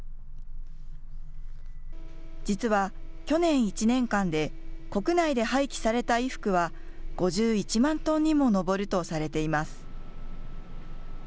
実は去年１年間で国内で廃棄された衣服は５１万トンにも上るとされています。